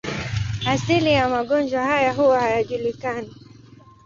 Asili ya magonjwa haya huwa hayajulikani.